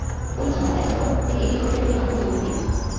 ঐ ধাঁধা দেখার পর থেকে বীজগণিতের প্রতি আগ্রহ জন্মায় মেরির।